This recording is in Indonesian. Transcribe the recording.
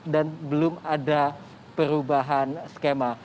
dan belum ada perubahan skema